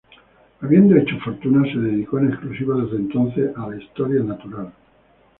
Habiendo hecho fortuna, se dedicó en exclusiva desde entonces a la historia natural.